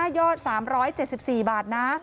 ยอด๓๗๔บาทนะ